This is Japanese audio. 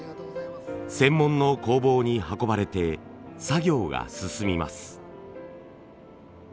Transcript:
専門の工房に運ばれて作業が進みます。